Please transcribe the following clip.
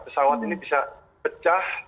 pesawat ini bisa pecah